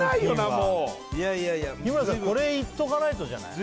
もう日村さんこれいっとかないとじゃない？